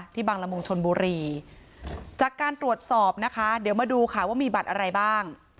บังละมุงชนบุรีจากการตรวจสอบนะคะเดี๋ยวมาดูค่ะว่ามีบัตรอะไรบ้าง